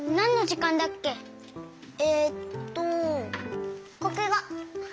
えっとこくご！